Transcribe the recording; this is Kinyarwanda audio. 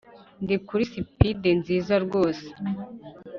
Ndi kuri spide nziza rwose